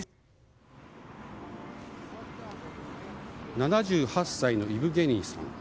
７８歳のイブゲーニさん。